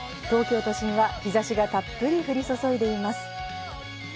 東京都心は日差しがたっぷり降り注いでいます。